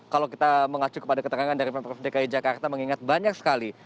kalau kita mengacu kepada keterangan dari pemprov dki jakarta mengingat banyak sekali